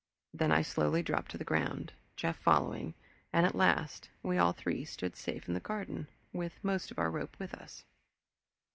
Then I slowly dropped to the ground, Jeff following, and at last we all three stood safe in the garden, with most of our rope with us.